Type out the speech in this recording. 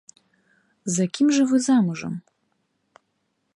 За кім жа вы замужам?